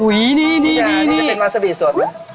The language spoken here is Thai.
อุ๊ยนี่นี่อันนี้มันเป็นวาซาปิสด